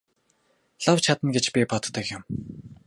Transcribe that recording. Лав чадна гэж би боддог юм.